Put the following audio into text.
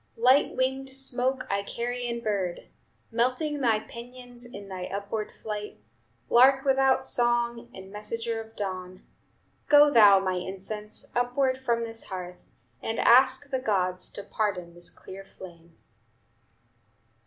"Light winged smoke, Icarian bird! Melting thy pinions in thy upward flight, Lark without song, and messenger of dawn, Go thou, my incense, upward from this hearth, And ask the gods to pardon this clear flame."